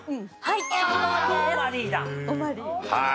はい。